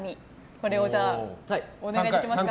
これをお願いできますか。